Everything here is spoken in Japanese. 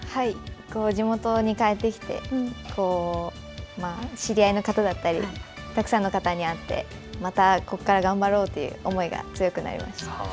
地元に帰ってきて知り合いの方だったりたくさんの方に会ってまたここから頑張ろうという思いが強くなりました。